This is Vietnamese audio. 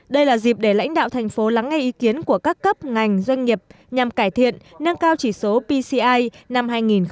đây là dịp để lãnh đạo thành phố lắng nghe ý kiến của các cấp ngành doanh nghiệp nhằm cải thiện nâng cao chỉ số pci năm hai nghìn một mươi chín